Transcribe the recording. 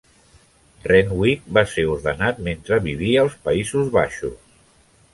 Renwick va ser ordenat mentre vivia als Països Baixos.